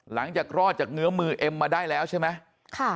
หลังจากรอดจากเงื้อมือเอ็มมาได้แล้วใช่ไหม